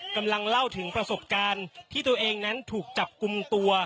กำลังเล่าถึงประสบการณ์ที่ตัวเองนั้นถูกจับกลุ่มตัว